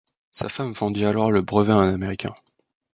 Sa femme vendit alors le brevet à un américain.